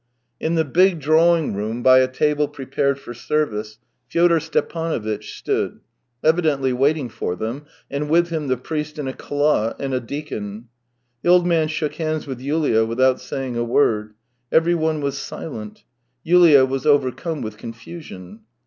In the big drawing room, by a table prepared for service, Fyodor Stepanovitch stood, evidently waiting for them, and with him the priest in a calotte, and a deacon. The old man shook hands with Yulia without saying a word. Everyone was silent. Yulia was overcome with confusion.